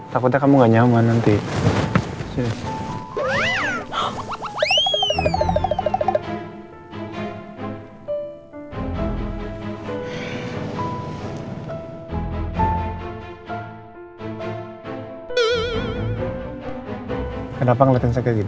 takutnya kamu gak nyaman nanti